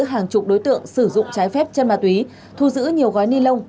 hàng chục đối tượng sử dụng trái phép chân ma túy thu giữ nhiều gói ni lông